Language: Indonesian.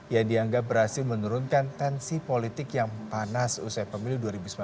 yang dianggap berhasil menurunkan tensi politik yang panas usai pemilu dua ribu sembilan belas